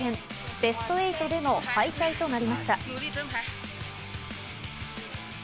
ベスト８での敗退となりました。